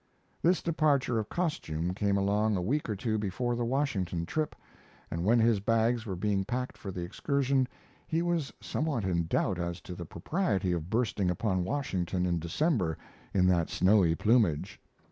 This departure of costume came along a week or two before the Washington trip, and when his bags were being packed for the excursion he was somewhat in doubt as to the propriety of bursting upon Washington in December in that snowy plumage.